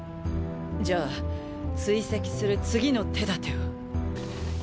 じゃあ追跡する次の手立てを。